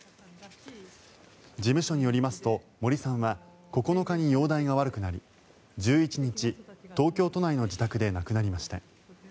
事務所によりますと、森さんは９日に容体が悪くなり１１日、東京都内の自宅で亡くなりました。